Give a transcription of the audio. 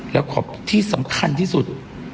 แล้วขอบที่สำคัญที่สุด